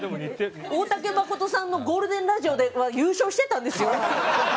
大竹まことさんの『ゴールデンラジオ！』では優勝してたんですよ。